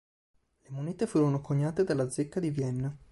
Le monete furono coniate dalla zecca di Vienna.